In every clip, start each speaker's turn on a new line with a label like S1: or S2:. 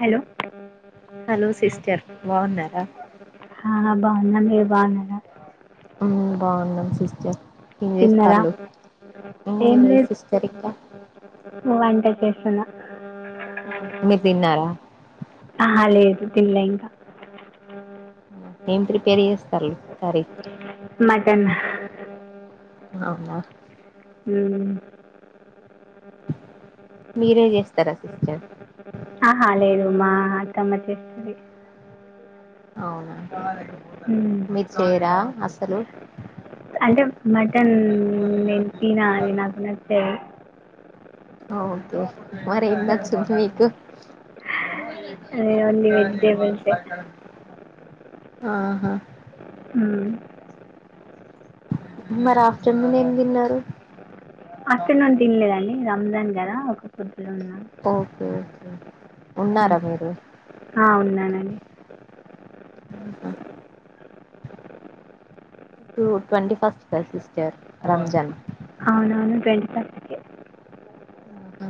S1: Hello
S2: hello sister బాగున్నారా
S1: ఆ బాగున్నా మీరు బాగున్నారా
S2: ఉమ్ బాగున్నాం సిస్ట ఏం
S1: తిన్నారా
S2: చేస్తాళు ఏం లేదు సిస్టర్ ఇంకా
S1: వంట చేస్తున్నా
S2: మీరు తిన్నారా
S1: ఆహ లేదు తినలే ఇంకా
S2: ఏం ప్రిపేర్ చేస్తాల్లు కర్రి
S1: మటన్
S2: అవునా
S1: ఊ
S2: మీరే చేస్తారా సిస్టర్
S1: ఆ లేదు మా అత్తమ్మ చేస్తది
S2: అవునా
S1: మ్మ్.
S2: మీరు చేరా అసలు
S1: అంటే మటన్ నేను తిన అది నాకు నచ్చదు
S2: ఆ ఓకే మరి ఏం
S1: సో
S2: నచ్చిద్ది మీకు
S1: అది ఓన్లీ వెజిటేబుల్సే
S2: ఆహా
S1: ఊ
S2: మరి ఆఫ్టర్నూన్ ఏం తిన్నారు
S1: ఆఫ్టర్ నూన్ తినలేదండి రంజాన్ గదా ఒక ఫు
S2: ఓకే ఓకే
S1: ఉ
S2: ఉన్నారా మీరు
S1: ఆ ఉన్నాన్ అండి
S2: ఆహా టు ట్వంటి ఫస్ట్ కద సిస్టర్ రంజాన్
S1: ఓకే
S2: ఆహా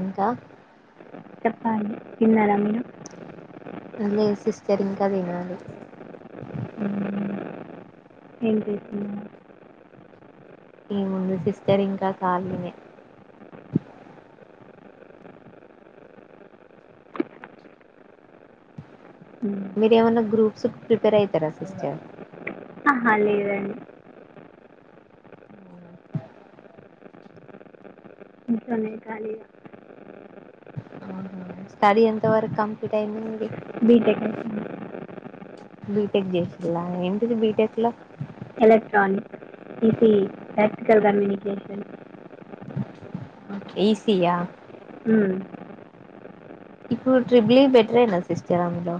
S2: ఇంకా
S1: చెప్పాలి తిన్నార మీరు
S2: లేదు సిస్టర్ ఇంకా తినాలి
S1: ఊ ఏం చేస్తు
S2: ఏముందు సిస్టర్ ఇంకా ఖాళీనే
S1: ఉమ్.
S2: మీరు ఏమన్నా గ్రూప్స్కు ప్రిపేర్ అయితారా సిస్టర్
S1: ఆహా లేదండి ఇంట్లోనే ఖాళీగా
S2: ఆహ స్టడీ ఎంత వరకు కంప్లీట్ అయింది మీది
S1: బీటెక్ అయి
S2: బీటెక్ చేసిల్లా ఏంటిది BTech
S1: electronics EC practical communication
S2: అ ఈసియా
S1: ఉమ్
S2: ఇప్పుడు ట్రిబ్లి బెటరేనా సిస్టర్ అందులో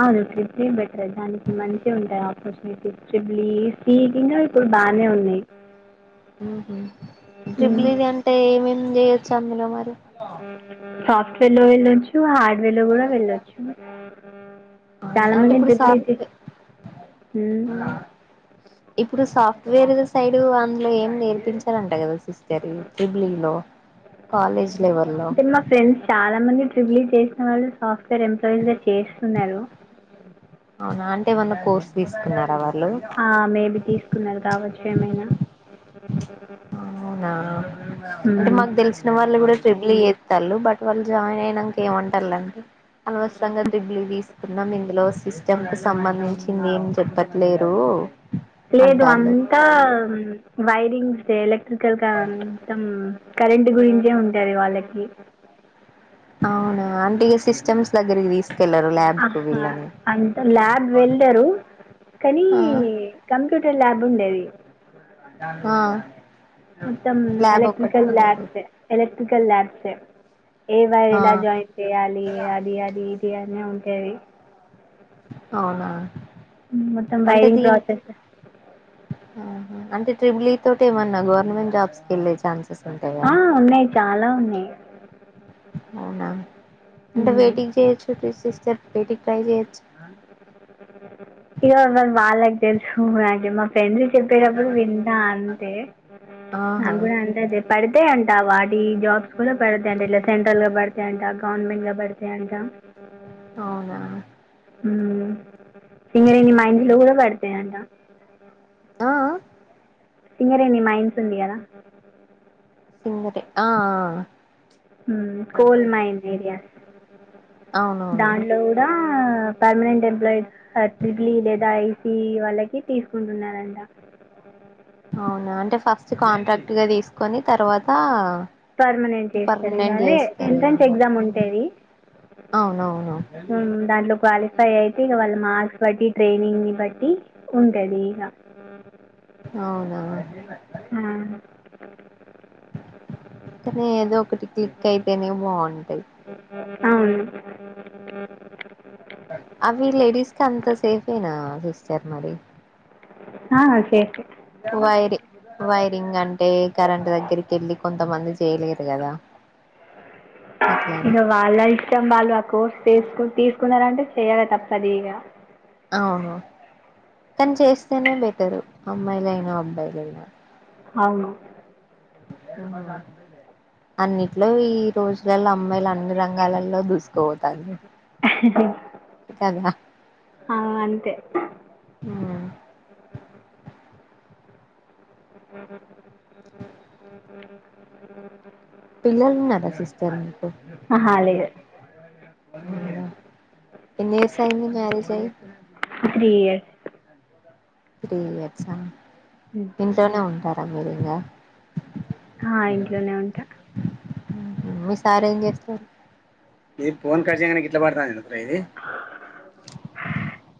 S1: అవును త్రీ బుల్ ఈ బెటర్ దానికి మంచి ఉంటాయి ఆ చి త్రిబిలీ ఈసీ అయినా ఇప్పుడు బానే ఉన్నాయి
S2: ఉహు
S1: మ్మ్.
S2: ట్రిబ్లింగ్ అంటే ఏమేమి చేయెచ్చు అందులో మరి
S1: సాఫ్ట్వేర్ లో వెళ్ళొచ్చు హార్డ్వేర్ లో కూడా వెళ్ళొచ్చు
S2: ఆ అంటే
S1: చాలామంది
S2: ఇప్పుడు
S1: ట్రిప్లీ చే-
S2: సాఫ్ట్వె
S1: మ్మ్.
S2: ఇప్పుడు సాఫ్ట్వేర్ సైడ్ అందులో ఏం నేర్పించరంట కదా సిస్టర్ ట్రిబ్లింగ్ లో కాలేజ్ లేవల్
S1: అంటే మా ఫ్రెండ్స్ చాలా మంది ట్రిబిలీ చేసిన వాళ్ళు సాఫ్ట్వేర్ ఎంప్లాయిస్ గా చేస్తున్నారు.
S2: అవునా అంటే ఏమన్నా కోర్స్ తీసుకున్నారా వాళ్
S1: ఆ మేబి తీసుకున్నారు కావచ్చు ఏమైనా
S2: అవునా అంటే
S1: మ్మ్.
S2: మనకు తెలిసిన వాళ్ళు కూడా ట్రిబిలి ఎత్తు బట్ వాళ్ళు జాయిన్ అయినాక ఏమంటారులే అనవసరంగా ట్రిబిలి తీసుకున్నాం ఇందులో సిస్టమ్ కి సంబంధించింది ఏం చెప్పట్లేరు
S1: లేదు
S2: అంటాళ్ళు
S1: అంతా వైరింగ్స్ ఎలక్ట్రికల్గా అంతం కరెంట్ గురించే ఉంటది వాళ్ళకి
S2: అవునా అంటేగా సిస్టమ్స్ దగ్గరికి తీసుకెళ్లరు ల్యాబ్ కు
S1: ఆహా,
S2: వీళ్ళని
S1: అంత ల్యాబ్ వెళ్లారు కానీ
S2: ఆ
S1: కంప కామ్ఫ్యూటర్ లాబ్ ఉండేది
S2: ఆ
S1: మొత్తం
S2: ల్యాబ్ ఒక్కటి
S1: ఎలక్ట్రికల్
S2: ఉండదు
S1: ల్యాబ్స్ ఎలక్ట్రికల్ ల్యాబ్స్ ఏ వైర్
S2: ఆ
S1: ఇలా జాయిన్ చెయాలి అది అది ఇది అనే ఉంటేది
S2: అవునా
S1: మొత్తం
S2: అంటే
S1: వైరింగ్
S2: దీనికి
S1: ప్రాసెస్
S2: అంటే ట్రిబిలీ తోటి ఏమన్నా గవర్నమెంట్ జాబ్స్ కెళ్ళేది
S1: ఆ ఉన్నాయ్ చాలా ఉన్నాయి
S2: అవునా అంటే
S1: మ్మ్.
S2: బిటేక్ చేయొచ్చు త సిస్టర్ బిటేక్ ట్రై చేయొచ్చ
S1: ఇది వాళ్ళకి తెలుసు మ [inaudible] ఫ్రెండ్ చెప్పేటప్పుడు వింటా అంతే
S2: ఆహా
S1: నాకు కూడా అంతా తే పడతాయంట వాటి జాబ్స్ కూడా పడతాయంట ఇట్లా సెంట్రల్ గా పడతాయంట గవర్నమెంట్ గా పడతాయంట
S2: అవునా
S1: [inaudible] మా ఇంటిలో కూడా పెడతాయంట
S2: ఆ ఆ!
S1: ఇంగరేన్ మైన్స్ ఉంది కదా
S2: సుముటి అఆ
S1: కోల్ మైన్ ఏరియా
S2: ఆ అవునవును
S1: దాంట్లో కూడా పర్మనెంట్ ఎంప్లాయీస్ ట్రిబిలి లేదా ఐసిఇ వాళ్ళకి తీసుకుంటున్నారంట
S2: అవునా అంటే ఫస్ట్ కాంట్రాక్ట్ గా తీసుకొని తర్వాత
S1: పర్మనెంట్ చేస్తారు
S2: పర్మనెంట్
S1: కానీ
S2: చేస్తారేమో
S1: ఎంట్రన్స్ ఎగ్జామ్
S2: హ్మ్.
S1: ఉంటేది
S2: అవునవును
S1: ఉ దాంట్లో క్వాలిఫై ఫై అయితే ఇక వాళ్ళ మార్క్స్ బట్టి ట్రైనింగ్ ని బట్టి ఉంటది ఇక
S2: అవునా అనీ ఏదో ఒకటి క్లిక్ అయితేనే బాగుంటాది
S1: అవును
S2: అవి సర్ మరి
S1: ఆ సేపే
S2: వైరి వైరింగ్ అంటే కరెంు దగ్గరికి వెళ్ళి కొంతమంది చేయలేరు కదా అట్లాని
S1: ఇంక వాళ్ళ ఇష్టం వాళ్ళు ఆ కోర్స్ చేసుకుంట తీసుకున్నారంటే చెయాలా తప్ప సదిగా
S2: అఓహ తను చేస్తేనే బెటరు అమ్మాయిలయినా అబ్బాయిలయినా
S1: అవును
S2: అన్నిట్లో ఈ రోజులలా అమ్మాయిలు అన్ని రంగాలలో దూసుకోపోతాంది కదా
S1: ఆ అంతే
S2: ఉమ్.
S1: అ
S2: పిల్లల్ని నరసిస్తారు మీకు
S1: ఆహా, లేదు
S2: ఎన్ని ఇయర్స్ అయ్యింది మ్యారేజ్ అయ్యి
S1: త్రీ ఇయర్స్
S2: త్రీ ఇయట్సా ఇంట్లోనే ఉంటారా మీరి ఇంకా
S1: ఆ ఇంట్లోనే ఉంటా
S2: మీ సార్ ఏం చేస్తుండు మీ ఫోన్ కట్ చెయ్ గిట్లపడతా నేను రే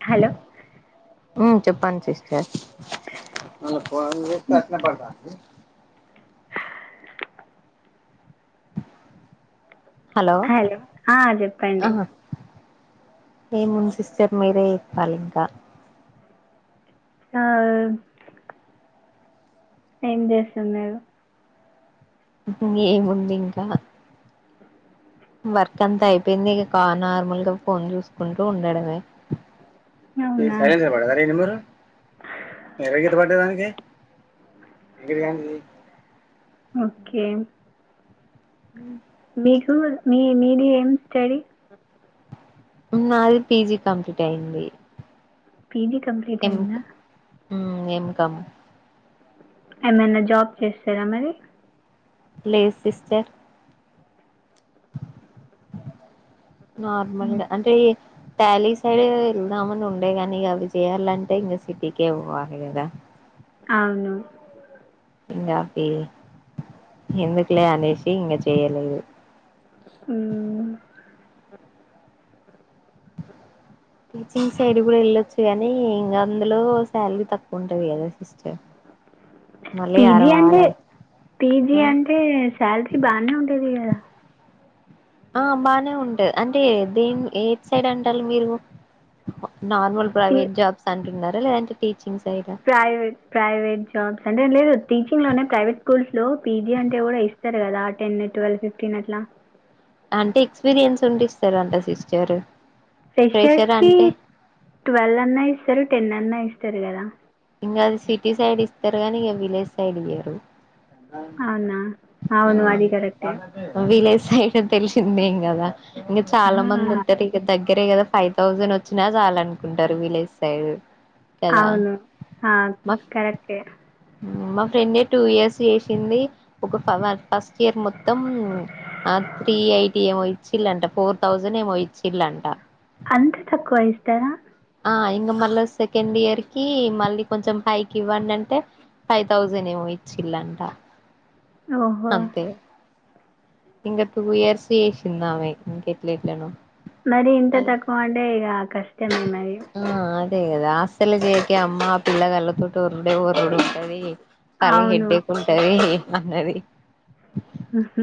S1: హలో
S2: ఓ చెప్పండి సిస్టర్ మన ఫోన్ చేస్తే అట్లే పడతాంది
S1: హలో ఆ చెప్పండి
S2: ఆహా ఏముంది సిస్టర్ మీరే ఇప్పాలి ఇంకా
S1: ఆ ఏం చేస్తున్నారు
S2: ఏముంది ఇంకా వర్క్ అంతా అయిపోయింది ఇక నార్మల్ గా ఫోన్ చూసుకుంటూ ఉండడమే మీరు
S1: అవునా
S2: సైలెంట్ లో పడ్డదండి మీ నెంబరు పెద్ద గిట్ల పడ్డదానికి
S1: ఓకే
S2: [inaudible]
S1: మీకు మీ మీది ఏం స్టడీ
S2: నాది పిజి కంప్లీట్ అయింది
S1: పిజీ కంప్లీట్ అయిందా
S2: ఊ ఏం కామ్
S1: ఏమైనా జాబ్ చేస్తారా మరి
S2: లేదు సిస్టర్ నార్మల్గ
S1: మ్మ్.
S2: అంటే ఈ ట్యాలీ సైడ్ వెళ్దామని ఉండే కాని ఇక అవి చేయాలంటే ఇంకా సిటీకే పోవాలి కదా
S1: అవును
S2: ఇంకా అపి ఎందుకలే అనేసి ఇంగ చేయలేదు
S1: హ్మ్
S2: టీచింగ్ సైడ్ కూడా వెళ్ళొచ్చు కానీ ఇంకా అందులో శాలరీ తక్కువ ఉంటది కదా సిస్టర్ మళ్ళీ
S1: పీజీ అంటే
S2: అరవాలే
S1: పీజీ
S2: ఆ
S1: అంటే శాలరీ బానే ఉంటది కదా
S2: ఆ బాగానే ఉంటది అంటే దేం ఏట్ సైడ్ అంటాల్లు మీరు నార్మల్
S1: టీ
S2: ప్రైవేట్ జాబ్స్ అంటున్నారా లేదంటే టీ
S1: ప్రైవేట్ ప్రైవేట్ జాబ్స్ అంటే లేదు టీచింగ్ లోనే ప్రైవేట్ స్కూల్స్ లో పీజీ అంటే కూడా ఇస్తారు కదా టెన్ ట్వెల్వ్ ఫిఫ్టీన్ అట్లా
S2: అంటే ఎక్స్పీరియన్స్ ఉంటే ఇస్తారంట సిస్టర్ ఫ్రెషర్
S1: ఫ్రెషర్స్ కి
S2: అంటే
S1: ట్వెల్వ్ అన్నా ఇస్తారు టెన్ అన్నా ఇస్తారు కదా
S2: ఇంకా అది సిటీ సైడ్ ఇస్తారు కానీ ఇంక విలేజ్ సైడ్ ఇయ్యరు
S1: అవునా
S2: ఆ!
S1: అవును అదీ కరెక్టే
S2: విలేజ్ సైడ్ తెలిసిందేం కదా ఇంకా చాలా మంది ఉంటారు ఇక దగ్గర దగ్గరే కదా ఫైవ్ థౌజండ్ వచ్చినా చాలనుకుంటారు విలేజ్ సైడ్ కదా
S1: అవును హా
S2: మా
S1: కరెక్టే
S2: మా ఫ్రెండే టూ ఇయర్స్ చేసింది ఒక ఫస్ట్ ఇయర్ మొత్తం ఆ త్రీ త్రీ ఎయిటి ఏమో ఇచ్చిల్ంలట ఫోర్ థౌజండ్ ఏమో ఇచ్చిల్లంట
S1: అంత తక్కువ ఇస్తరా
S2: ఇంకా మళ్ళీ సెకండ్ ఇయర్ కి మళ్ళీ కొంచెం పైకి ఇవ్వండి అంటే ఫైవ్ థౌసండ్ ఏమో ఇచ్చిల్లంట
S1: ఓహో
S2: ఇంకా టూ ఇయర్స్ చేసిందామే ఇంకెట్లానో
S1: మరి ఇంత తక్కువంటే ఇగ కష్టమే మరి
S2: ఆ అదే అదా ఆసలు కేక అమ్మా పిల్గాళతోట్ ఉరుడి ఊరుడి ఉంటది తల
S1: అవును.
S2: హిడ్డేకుంటది అన్నది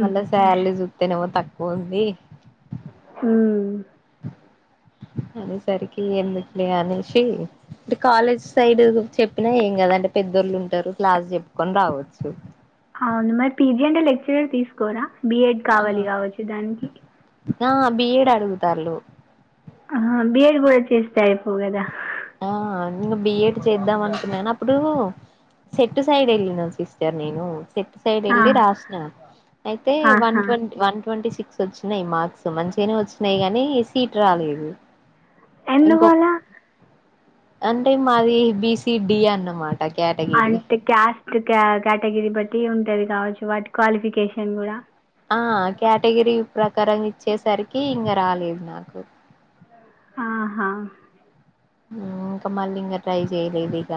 S2: మళ్ళ సాలరీ చూత్తేనేమో తక్కువ ఉంది
S1: ఊ
S2: అదసరికి ఎందుకులే అనేసి అంట కాలేజ్ సైడ్ చెప్పినా ఏం కదంటే పెద్దోళ్ళు ఉంటారు క్లాస్ చెప్పుకొని రావచ్చు
S1: అవును మరి పీజీ అంటే లెక్చరర్ తీసుకోరా బిఎడ్
S2: ఆ
S1: కావాలి కావచ్చు దానికి
S2: ఆ బిఏడ్ అడుగుతలు
S1: ఆ బియడ్ కూడా చేస్తే ఐపో కదా
S2: ఆ బిఏడ్ చేద్దాం అనుకున్నాను అప్పుడు సెట్టు సైడ్ ఎల్ నా సిస్టర్ నేను ట్ సైడ్
S1: ఆ!
S2: వెళ్ళి రాసిన అయితే వన్
S1: ఆహా!
S2: ట్వ వన్ ట్వంటీ సిక్స్ వచ్చినయి మార్క్స్ మంచిగానే వచ్చినాయి కానీ సీట్ రాలేదు
S1: ఎందుకు
S2: ఇంకొ
S1: అలా
S2: అంటే మాది బిసిడి అన్నమాట కేటగిరీ
S1: అంటే క్యాస్ట్ కేటగిరీ బట్టి ఉంటది కావచ్చు వాటి క్వాలిఫికేషన్ కూడా
S2: ఆ కేటగిరీ ప్రకారం ఇచ్చేసరికి ఇంకా రాలేదు నాకు
S1: ఆహా
S2: ఇంకా మళ్ళీ ఇంకా ట్రై చేయలేదు ఇక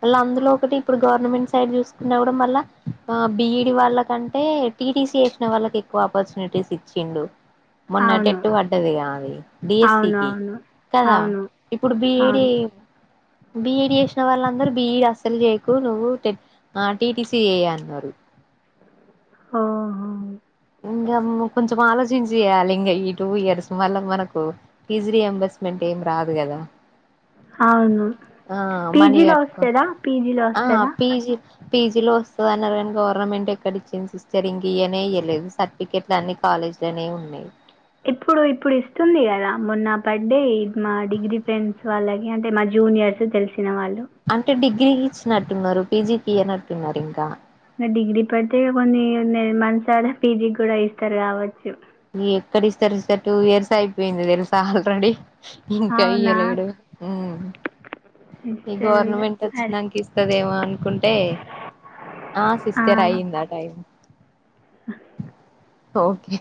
S2: వాళ్ళ అందులో ఒకటి ఇప్పుడు గవర్నమెంట్ సైడ్ చూసుకున్న కూడా మళ్ళ ఆ బిఈడి వాళ్ళకంటే టీటీసీ చేసిన వాళ్ళకి ఎక్కువ ఆపర్చునిటీస్ ఇచ్చిండు మొన్న
S1: అవును.
S2: టట్టు పడ్డదిగా అది డిఎస్సికి
S1: అవునవును.
S2: కదా
S1: అవును.
S2: ఇప్పుడు బిఏ
S1: అవును
S2: బిఏడ్ చేసిన వాళ్ళందరు బిఏడ్ అస్సలు చేయకు నువ్వు టెన్ ఆ టిటిసీ ఏ అంటున్నారు
S1: ఆ
S2: ఇంకా కొంచెం ఆలోచించి చేయాలి ఇంకా ఈ టూ ఇయర్స్ వల్ల మనకు ఫీజ్ రియంబర్స్మెంట్ ఏం రాదు కదా
S1: అవును
S2: ఆ మనీ
S1: పీజీలో
S2: గట్క
S1: వస్తుందా పీజీలో
S2: ఆ
S1: వస్తుందా
S2: పీజీ పీ పిలో వస్తది అన్నారు కానీ గవర్నమెంట్ ఎక్కడి ఇచ్చింది సిస్టర్ ఇంక ఇయనే ఇయలేదు సర్టిఫికెట్లు అన్ని కాలేజీ లోనే ఉన్నాయి
S1: ఇప్పుడు ఇప్పుడు ఇస్తుంది కదా మొన్న పడ్డాయి మా డిగ్రీ ఫ్రెండ్స్ వాళ్ళకి అంటే మా జూనియర్స్ తెలిసి తిన వాళ్ళు
S2: అంటే డిగ్రీకి ఇచ్చినట్టున్నారు పీజీకి ఇయనట్టున్నారు ఇంకా
S1: ఇంకా డిగ్రీ పడితే కొన్ని మంత్స్ద పీజీ కూడా ఇస్తారు కావచ్చు
S2: ఎక్కడి ఇస్తారు ఇస్తారు టూ ఇయర్స్ అయిపోయింది తెలుసా ఆల్రెడీ ఇంకా
S1: అవునా
S2: ఇయ్యలేడు ఉ ఈ
S1: ఇస్తారు ఇక
S2: గవర్నమెంట్
S1: అరే,
S2: వచ్చినానికి ఇస్తదేమో అనుకుంటే ఆ సిస్టర్ అయిందా టైం
S1: అ
S2: ఓకే